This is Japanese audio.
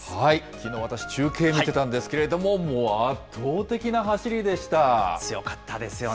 きのう、私、中継見てたんですけれども、強かったですよね。